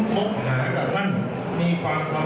ผมพบหากับท่านมีความพรบรักท่าน